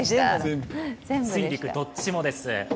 水陸、どっちもです。